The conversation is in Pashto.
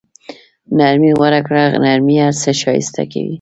نرمي غوره کړه، نرمي هر څه ښایسته کوي.